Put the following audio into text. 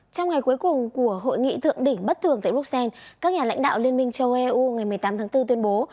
trong ngày cuối cùng của hội nghị thượng đỉnh bất thường tại bruxelles các nhà lãnh đạo liên minh châu eu ngày một mươi tám tháng bốn tuyên bố